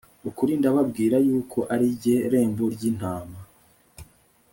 ukuri ndababwira yuko ari jye rembo ry intama